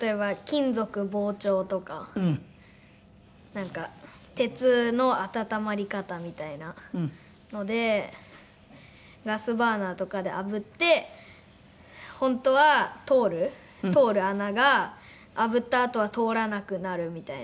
なんか鉄の温まり方みたいなのでガスバーナーとかであぶって本当は通る通る穴があぶったあとは通らなくなるみたいな。